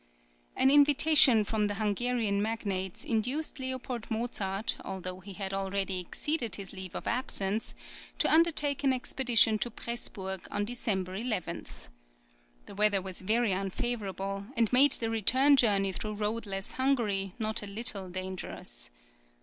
An invitation from the Hungarian magnates induced L. Mozart, although he had already exceeded his leave of absence, to undertake an expedition to Pressburg on December 11. The weather was very unfavourable, and made the return journey through roadless Hungary not a little dangerous.